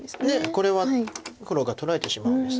これは黒が取られてしまうんです。